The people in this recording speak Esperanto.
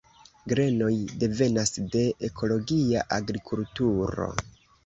Grenoj devenas de ekologia agrikulturo.